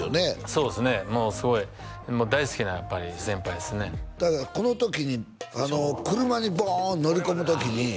そうですねもうすごい大好きなやっぱり先輩ですねだからこの時に車にボーン乗り込む時にあ